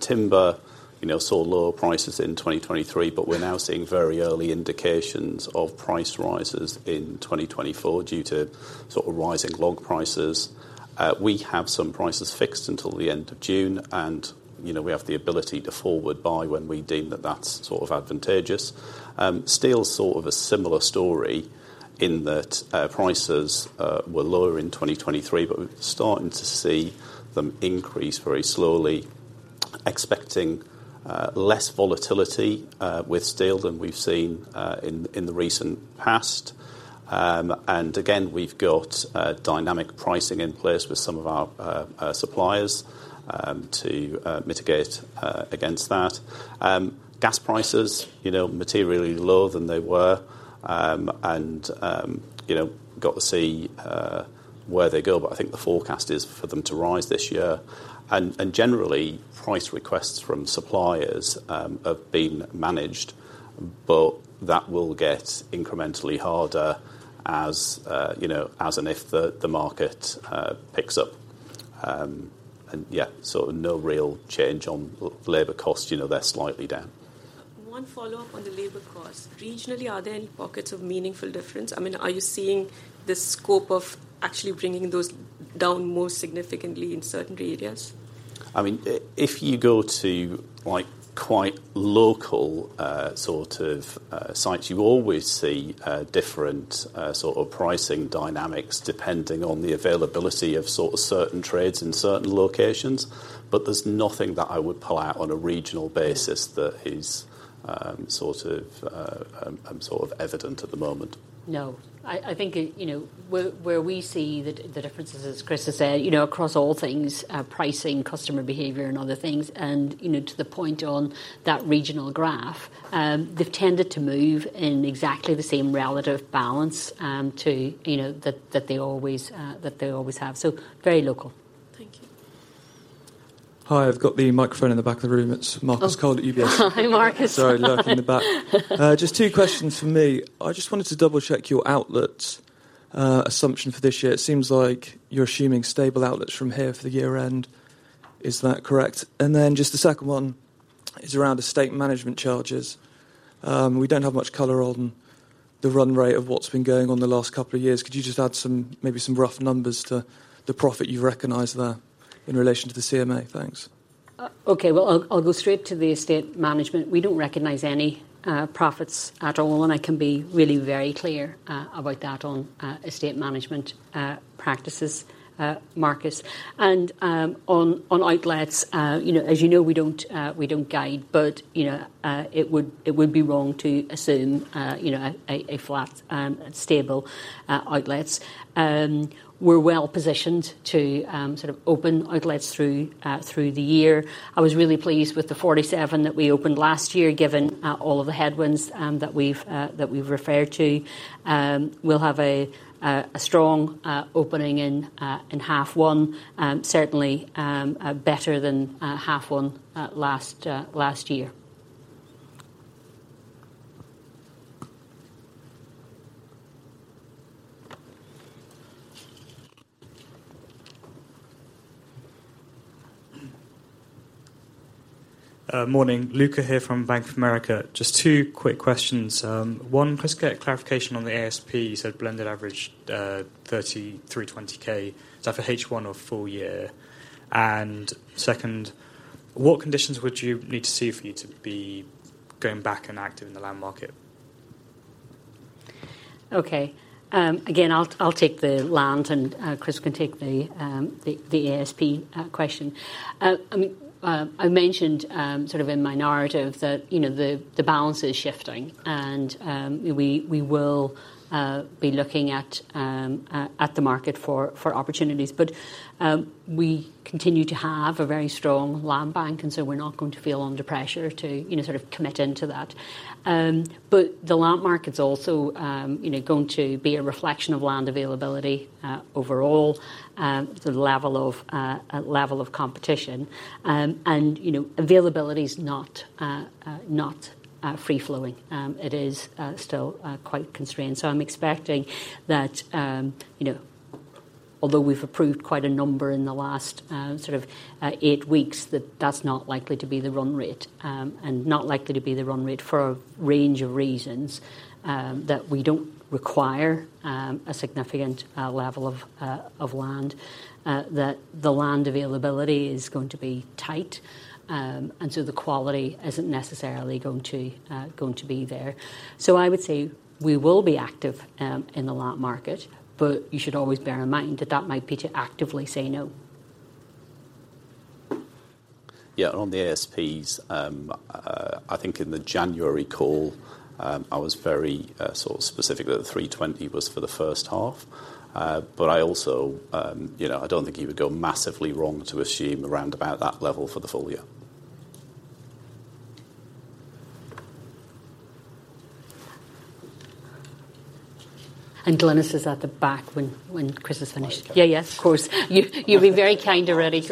timber, you know, saw lower prices in 2023, but we're now seeing very early indications of price rises in 2024 due to sort of rising log prices. We have some prices fixed until the end of June, and, you know, we have the ability to forward buy when we deem that that's sort of advantageous. Steel's sort of a similar story in that, prices were lower in 2023, but we're starting to see them increase very slowly. Expecting less volatility with steel than we've seen in the recent past. And again, we've got dynamic pricing in place with some of our suppliers to mitigate against that. Gas prices, you know, materially lower than they were. You know, got to see where they go, but I think the forecast is for them to rise this year. Generally, price requests from suppliers have been managed, but that will get incrementally harder as, you know, as and if the market picks up. Yeah, so no real change on labor cost. You know, they're slightly down. One follow-up on the labor cost. Regionally, are there any pockets of meaningful difference? I mean, are you seeing the scope of actually bringing those down more significantly in certain areas? I mean, if you go to, like, quite local, sort of, sites, you always see different, sort of pricing dynamics, depending on the availability of sort of certain trades in certain locations, but there's nothing that I would pull out on a regional basis that is, sort of, sort of evident at the moment. No. I think, you know, where we see the differences, as Chris has said, you know, across all things, pricing, customer behavior, and other things, and, you know, to the point on that regional graph, they've tended to move in exactly the same relative balance, to, you know, that they always have. So very local. Thank you. Hi, I've got the microphone in the back of the room. It's Marcus Cole at UBS. Hi, Marcus. Sorry, left in the back. Just two questions from me. I just wanted to double-check your outlets assumption for this year. It seems like you're assuming stable outlets from here for the year end. Is that correct? And then just the second one is around estate management charges. We don't have much color on the run rate of what's been going on the last couple of years. Could you just add some, maybe some rough numbers to the profit you've recognized there in relation to the CMA? Thanks. Okay, well, I'll go straight to the estate management. We don't recognize any profits at all, and I can be really very clear about that on estate management practices, Marcus. And, on outlets, you know, as you know, we don't guide, but, you know, it would be wrong to assume, you know, a flat stable outlets. We're well positioned to sort of open outlets through the year. I was really pleased with the 47 that we opened last year, given all of the headwinds that we've referred to. We'll have a strong opening in half one, certainly, better than half one last year. Morning. Luca here from Bank of America. Just two quick questions. One, can I just get a clarification on the ASP, so blended average, 332,000. Is that for H1 or full year? And second, what conditions would you need to see for you to be going back and active in the land market? Okay. Again, I'll take the land, and Chris can take the ASP question. I mentioned sort of in my narrative that, you know, the balance is shifting, and we will be looking at the market for opportunities. But we continue to have a very strong land bank, and so we're not going to feel under pressure to, you know, sort of commit into that. But the land market is also, you know, going to be a reflection of land availability overall, the level of competition. And, you know, availability is not free flowing. It is still quite constrained. So I'm expecting that, you know, although we've approved quite a number in the last, sort of, eight weeks, that that's not likely to be the run rate, and not likely to be the run rate for a range of reasons. That we don't require a significant level of of land, that the land availability is going to be tight, and so the quality isn't necessarily going to, going to be there. So I would say we will be active, in the land market, but you should always bear in mind that that might be to actively say no. Yeah, on the ASPs, I think in the January call, I was very, sort of specific that the 320 was for the first half. But I also, you know, I don't think you would go massively wrong to assume around about that level for the full year. Glynis is at the back when Chris is finished. Okay. Yeah, yeah, of course. You, you've been very kind already.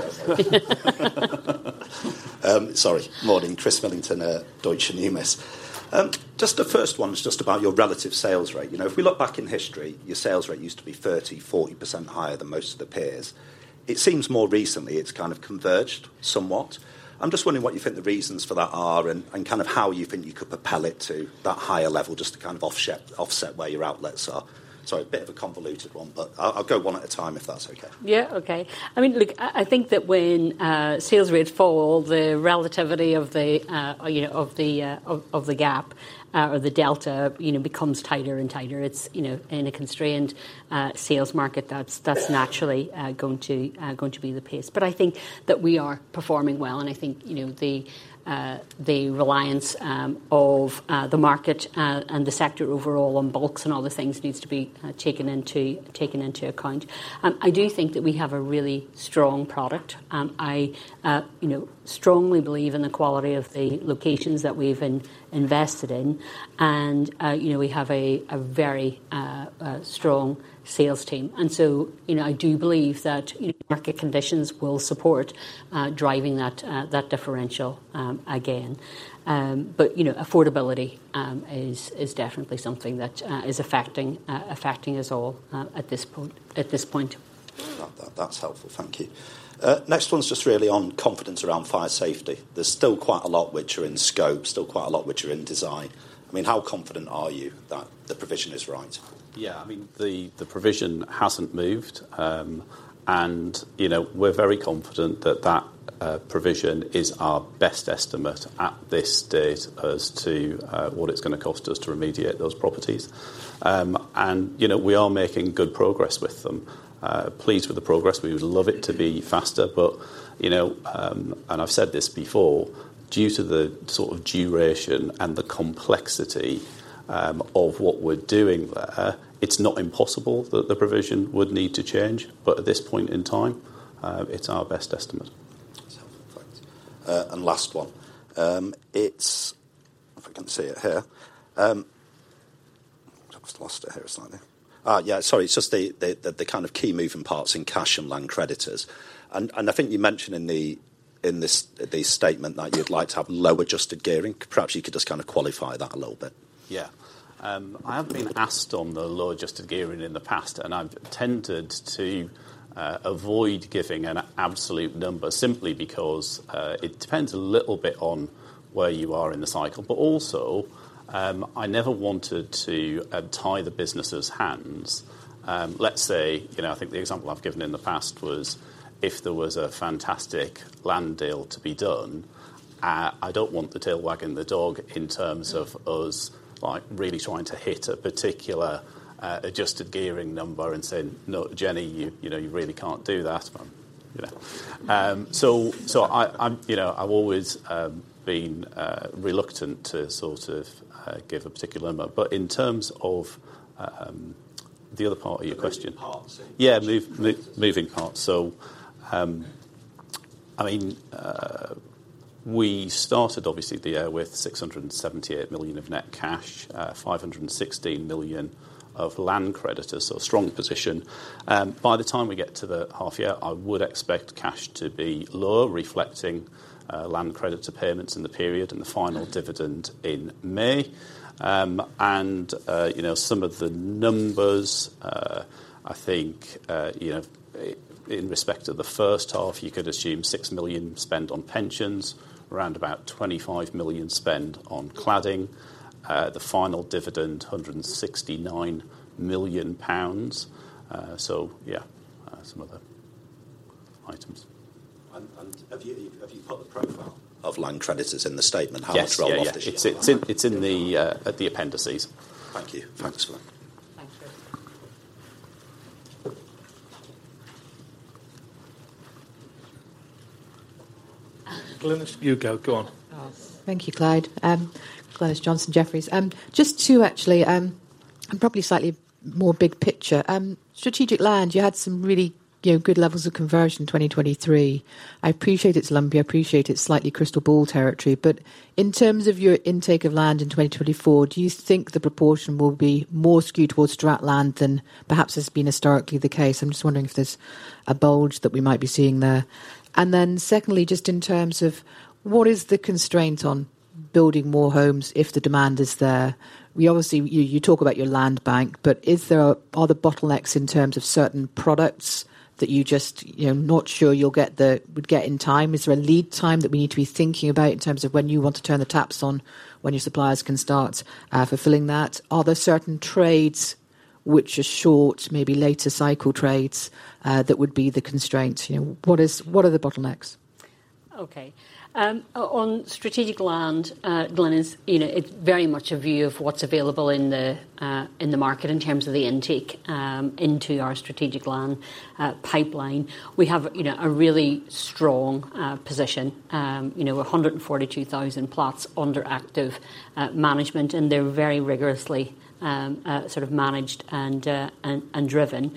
Sorry. Morning, Chris Millington, Deutsche Numis. Just the first one is just about your relative sales rate. You know, if we look back in history, your sales rate used to be 30%-40% higher than most of the peers. It seems more recently, it's kind of converged somewhat. I'm just wondering what you think the reasons for that are, and kind of how you think you could propel it to that higher level just to kind of offset where your outlets are. Sorry, a bit of a convoluted one, but I'll go one at a time, if that's okay. Yeah, okay. I mean, look, I, I think that when sales rates fall, the relativity of the, you know, of the, of the gap, or the delta, you know, becomes tighter and tighter. It's, you know, in a constrained sales market, that's, that's naturally going to be the pace. But I think that we are performing well, and I think, you know, the, the reliance of the market and the sector overall on bulks and all the things needs to be taken into account. I do think that we have a really strong product. I, you know, strongly believe in the quality of the locations that we've invested in, and, you know, we have a very strong sales team. So, you know, I do believe that, you know, market conditions will support driving that differential again. But, you know, affordability is definitely something that is affecting us all at this point. That, that's helpful. Thank you. Next one is just really on confidence around fire safety. There's still quite a lot which are in scope, still quite a lot which are in design. I mean, how confident are you that the provision is right? Yeah, I mean, the provision hasn't moved, and, you know, we're very confident that that provision is our best estimate at this date as to what it's gonna cost us to remediate those properties. And, you know, we are making good progress with them. Pleased with the progress. We would love it to be faster, but, you know, and I've said this before, due to the sort of duration and the complexity of what we're doing there, it's not impossible that the provision would need to change, but at this point in time, it's our best estimate. That's helpful. Thanks. And last one, it's just the kind of key moving parts in cash and land creditors. And I think you mentioned in the statement that you'd like to have lower adjusted gearing. Perhaps you could just kind of qualify that a little bit. Yeah. I've been asked on the lower adjusted gearing in the past, and I've tended to avoid giving an absolute number simply because it depends a little bit on where you are in the cycle. But also, I never wanted to tie the business's hands. Let's say, you know, I think the example I've given in the past was, if there was a fantastic land deal to be done, I don't want the tail wagging the dog in terms of us, like, really trying to hit a particular adjusted gearing number and saying, "No, Jennie, you know, you really can't do that," you know? So, I'm, you know, I've always been reluctant to sort of give a particular number. But in terms of the other part of your question- The moving parts and- Yeah, moving parts. So, I mean, we started obviously the year with 678 million of net cash, 516 million of land creditors, so a strong position. By the time we get to the half year, I would expect cash to be lower, reflecting land creditor payments in the period and the final dividend in May. And, you know, some of the numbers, I think, you know, in respect to the first half, you could assume 6 million spent on pensions, around about 25 million spent on cladding, the final dividend, 169 million pounds. So yeah, some other items. Have you got the profile of land creditors in the statement? How much roll off does she have? Yes, yes. It's, it's in the, the appendices. Thank you. Thanks. Excellent. Thank you. Glynis, you go. Go on. Oh, thank you, Clyde. Glynis Johnson, Jefferies. Just to actually, and probably slightly more big picture, strategic land, you had some really, you know, good levels of conversion in 2023. I appreciate it's lumpy, I appreciate it's slightly crystal ball territory, but in terms of your intake of land in 2024, do you think the proportion will be more skewed towards strat land than perhaps has been historically the case? I'm just wondering if there's a bulge that we might be seeing there. And then secondly, just in terms of what is the constraint on building more homes if the demand is there? We obviously—you, you talk about your land bank, but is there—are there bottlenecks in terms of certain products that you just, you know, not sure you'll get the, would get in time? Is there a lead time that we need to be thinking about in terms of when you want to turn the taps on, when your suppliers can start, fulfilling that? Are there certain trades which are short, maybe later cycle trades, that would be the constraints? You know, what is—what are the bottlenecks? Okay. On strategic land, Glynis, you know, it's very much a view of what's available in the, in the market in terms of the intake, into our strategic land, pipeline. We have, you know, a really strong position, you know, 142,000 plots under active, management, and they're very rigorously, sort of managed and, and driven.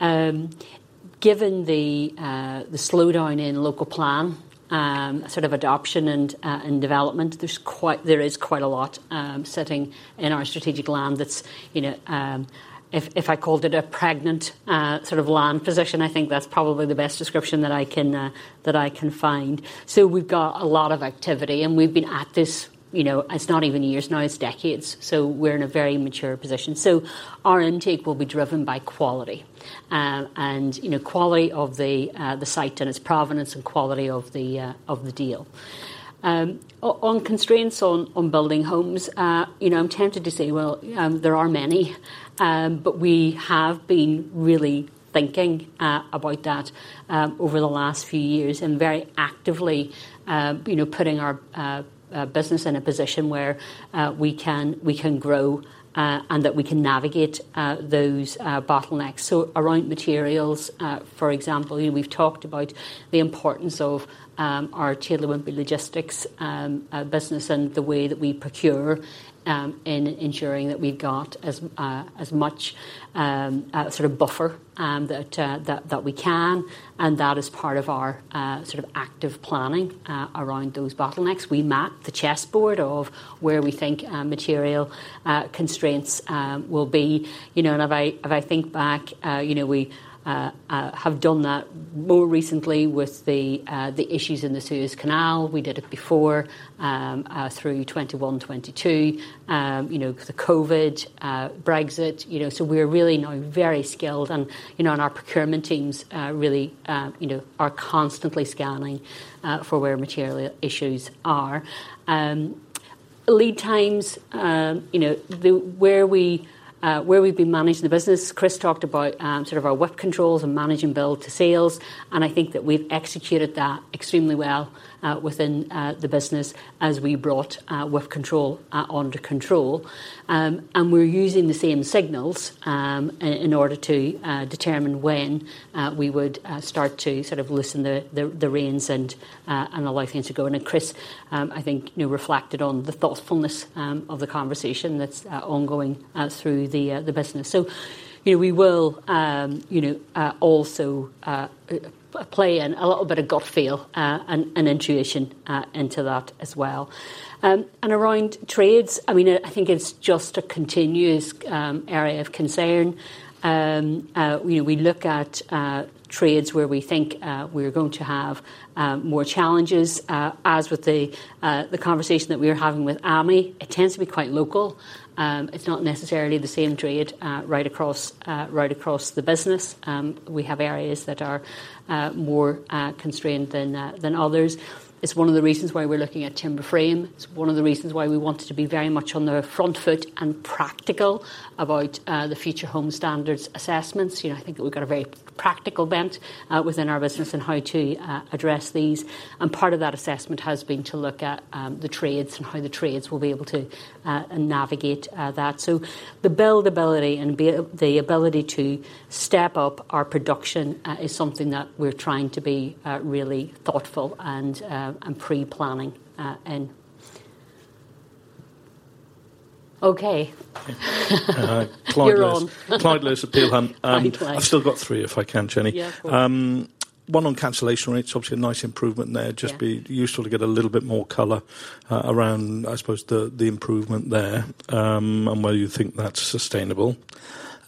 Given the, the slowdown in local plan, sort of adoption and, and development, there's quite a lot, sitting in our strategic land that's, you know... If I called it a pregnant, sort of land position, I think that's probably the best description that I can, that I can find. So we've got a lot of activity, and we've been at this, you know, it's not even years now, it's decades. So we're in a very mature position. So our intake will be driven by quality, and, you know, quality of the site and its provenance, and quality of the deal. On constraints on building homes, you know, I'm tempted to say, well, there are many, but we have been really thinking about that over the last few years and very actively, you know, putting our business in a position where we can grow and that we can navigate those bottlenecks. So around materials, for example, you know, we've talked about the importance of our Taylor Wimpey Logistics business and the way that we procure in ensuring that we've got as much sort of buffer that we can, and that is part of our sort of active planning around those bottlenecks. We map the chessboard of where we think material constraints will be. You know, and if I think back, you know, we have done that more recently with the issues in the Suez Canal. We did it before through 2021, 2022, you know, 'cause of COVID, Brexit, you know, so we're really now very skilled and, you know, and our procurement teams really, you know, are constantly scanning for where material issues are. Lead times, you know, the, where we where we've been managing the business, Chris talked about, sort of our WIP controls and managing build to sales, and I think that we've executed that extremely well within the business as we brought WIP control under control. And we're using the same signals in order to determine when we would start to sort of loosen the the the reins and allow things to go. Chris, I think, you know, reflected on the thoughtfulness of the conversation that's ongoing through the business. So, you know, we will, you know, also play in a little bit of gut feel, and intuition into that as well. And around trades, I mean, I think it's just a continuous area of concern. You know, we look at trades where we think we're going to have more challenges, as with the conversation that we're having with Ami. It tends to be quite local. It's not necessarily the same trade right across the business. We have areas that are more constrained than others. It's one of the reasons why we're looking at timber frame. It's one of the reasons why we wanted to be very much on the front foot and practical about the Future Homes Standard assessments. You know, I think we've got a very practical bent within our business on how to address these. And part of that assessment has been to look at the trades and how the trades will be able to navigate that. So the buildability and the ability to step up our production is something that we're trying to be really thoughtful and pre-planning in. Okay. Clyde Lewis- You're on. Clyde Lewis, Peel Hunt. Hi, Clyde. I've still got three, if I can, Jennie? Yeah, of course. One on cancellation rates. Obviously, a nice improvement there. Yeah. Just be useful to get a little bit more color around, I suppose, the improvement there, and whether you think that's sustainable.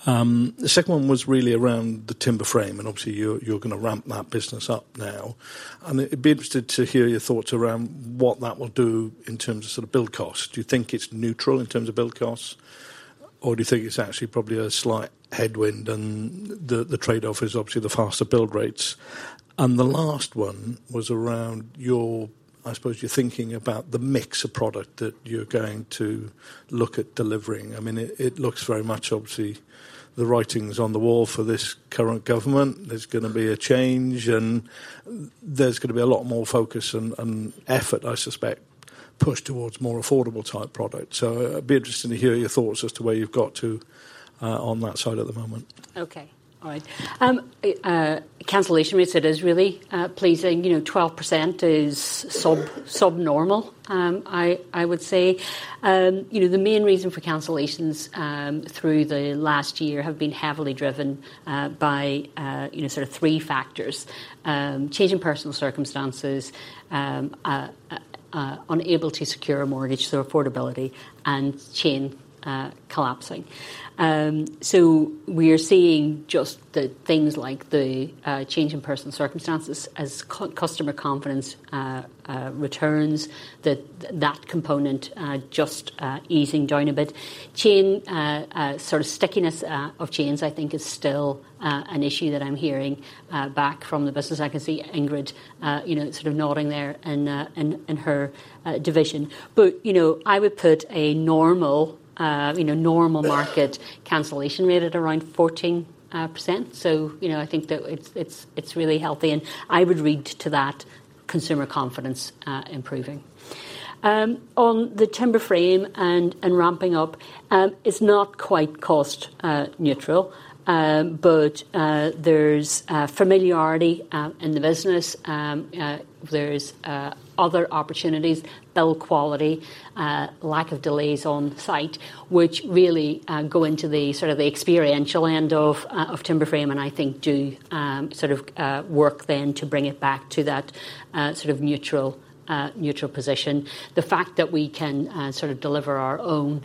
The second one was really around the timber frame, and obviously, you're gonna ramp that business up now. And it'd be interested to hear your thoughts around what that will do in terms of sort of build cost. Do you think it's neutral in terms of build costs, or do you think it's actually probably a slight headwind, and the trade-off is obviously the faster build rates? And the last one was around your—I suppose you're thinking about the mix of product that you're going to look at delivering. I mean, it looks very much obviously, the writing's on the wall for this current government. There's gonna be a change, and there's gonna be a lot more focus and effort, I suspect, pushed towards more affordable type products. So it'd be interesting to hear your thoughts as to where you've got to on that side at the moment. Okay. All right. Cancellation rates, it is really pleasing. You know, 12% is subnormal, I would say. You know, the main reason for cancellations through the last year have been heavily driven by, you know, sort of three factors: change in personal circumstances, unable to secure a mortgage, so affordability, and chain collapsing. So we are seeing just the things like the change in personal circumstances as customer confidence returns, that component just easing down a bit. Chain sort of stickiness of chains, I think, is still an issue that I'm hearing back from the business. I can see Ingrid, you know, sort of nodding there in her division. But, you know, I would put a normal, you know, normal market cancellation rate at around 14%. So, you know, I think that it's, it's, it's really healthy, and I would read to that consumer confidence, improving. On the timber frame and and ramping up, it's not quite cost neutral, but there's familiarity in the business. There's other opportunities, build quality, lack of delays on site, which really go into the sort of the experiential end of of timber frame, and I think do sort of work then to bring it back to that sort of neutral neutral position. The fact that we can sort of deliver our own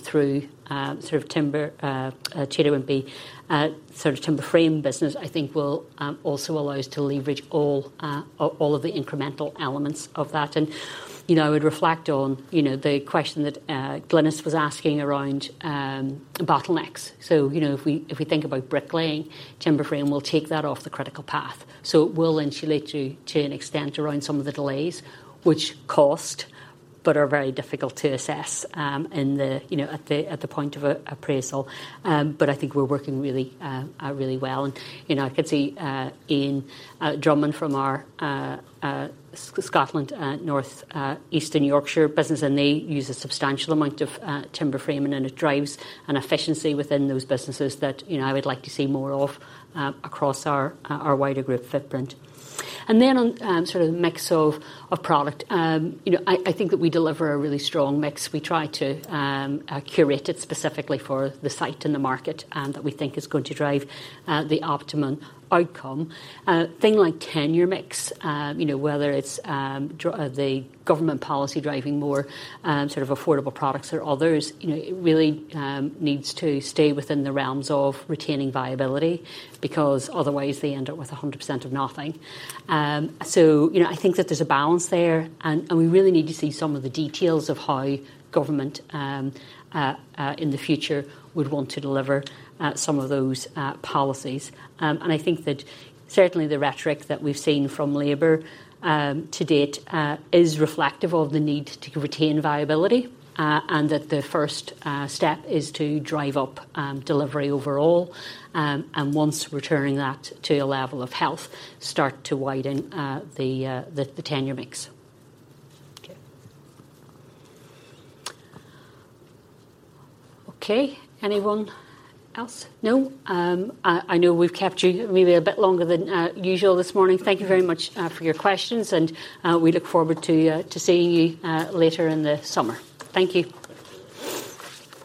through sort of timber Cedar NB sort of timber frame business, I think will also allow us to leverage all of the incremental elements of that. And, you know, I would reflect on, you know, the question that Glynis was asking around bottlenecks. So, you know, if we think about bricklaying, timber frame will take that off the critical path. So it will insulate you to an extent around some of the delays, which cost, but are very difficult to assess in the, you know, at the point of appraisal. But I think we're working really well. And, you know, I could see, Ian Drummond from our, Scotland, North East and North Yorkshire business, and they use a substantial amount of, timber framing, and it drives an efficiency within those businesses that, you know, I would like to see more of, across our, our wider group footprint. And then on, sort of mix of, of product, you know, I, I think that we deliver a really strong mix. We try to, curate it specifically for the site and the market, and that we think is going to drive, the optimum outcome. Things like tenure mix, you know, whether it's the government policy driving more sort of affordable products or others, you know, it really needs to stay within the realms of retaining viability because otherwise they end up with 100% of nothing. So, you know, I think that there's a balance there, and we really need to see some of the details of how government in the future would want to deliver some of those policies. And I think that certainly the rhetoric that we've seen from Labour to date is reflective of the need to retain viability, and that the first step is to drive up delivery overall, and once returning that to a level of health, start to widen the tenure mix. Okay. Okay, anyone else? No. I know we've kept you maybe a bit longer than usual this morning. Thank you very much for your questions, and we look forward to seeing you later in the summer. Thank you.